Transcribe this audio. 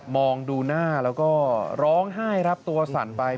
องดูหน้าแล้วก็ร้องไห้ครับตัวสั่นไป